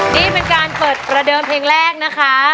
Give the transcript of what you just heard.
นี่เป็นการเปิดประเดิมเพลงแรกนะคะ